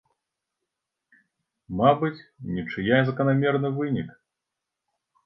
Мабыць, нічыя заканамерны вынік.